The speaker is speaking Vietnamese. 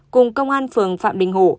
cùng công an phường phạm bình hổ